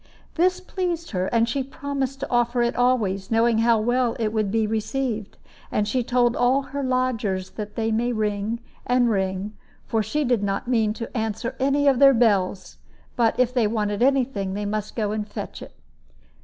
This pleased her, and she promised to offer it always, knowing how well it would be received, and she told all her lodgers that they might ring and ring, for she did not mean to answer any of their bells; but if they wanted any thing, they must go and fetch it.